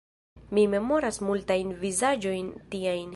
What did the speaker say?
Mi memoras multajn vizaĝojn tiajn.